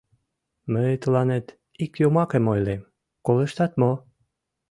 — Мый тыланет ик йомакым ойлем, колыштат мо?